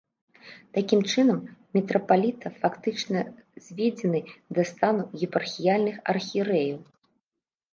Такім чынам, мітрапаліта фактычна зведзены да стану епархіяльных архірэяў.